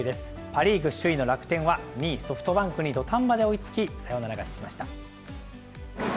パ・リーグ首位の楽天は２位ソフトバンクに土壇場で追いつき、サヨナラ勝ちしました。